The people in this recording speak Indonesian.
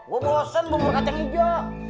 gue bosan bubur kacang hijau